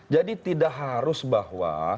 jadi tidak harus bahwa